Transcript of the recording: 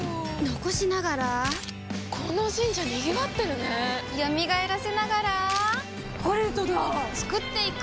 残しながらこの神社賑わってるね蘇らせながらコレドだ創っていく！